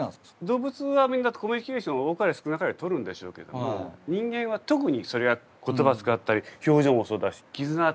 動物はみんなコミュニケーション多かれ少なかれとるんでしょうけども人間は特にそれが言葉使ったり表情もそうだし絆が強いですよね。